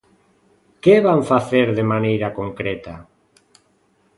¿Que van facer de maneira concreta?